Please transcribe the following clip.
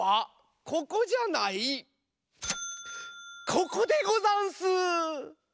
ここでござんす！